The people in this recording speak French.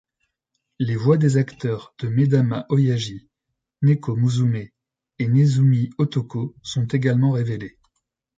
Les voix des acteurs de Medama-Oyaji, Neko-Musume et Nezumi Otoko sont également révélées.